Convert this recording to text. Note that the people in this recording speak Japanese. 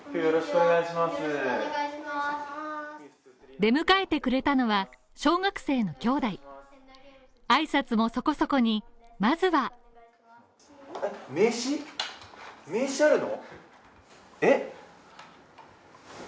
出迎えてくれたのは小学生の兄弟挨拶もそこそこに、まずは名刺あるの！